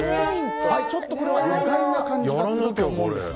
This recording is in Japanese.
ちょっとこれは意外な感じがすると思います。